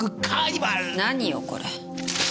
何よこれ。